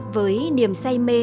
với niềm say mê